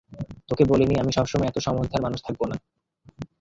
তোকে বলিনি, আমি সবসময় এত সমঝদার মানুষ থাকব না?